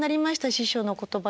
師匠の言葉が。